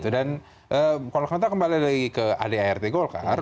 dan kalau kita kembali lagi ke ad art golkar